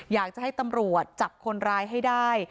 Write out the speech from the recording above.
อยากจะให้ตำรวจจับคนร้ายให้ได้